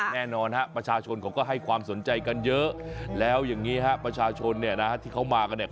แน่นอนฮะประชาชนเขาก็ให้ความสนใจกันเยอะแล้วอย่างนี้ฮะประชาชนเนี่ยนะฮะที่เขามากันเนี่ย